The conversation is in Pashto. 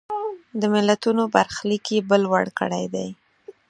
د ملتونو برخلیک یې بل وړ کړی دی.